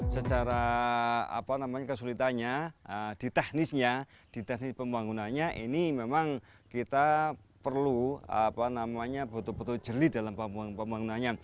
secara kesulitanya di teknisnya di teknis pembangunannya ini memang kita perlu betul betul jeli dalam pembangunannya